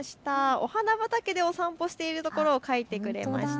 お花畑でお散歩しているところを描いてくれました。